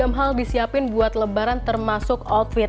banyak hal disiapin buat lebaran termasuk outfit